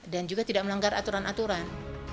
dan juga tidak melanggar aturan aturan